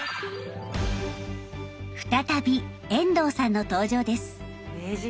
再び遠藤さんの登場です。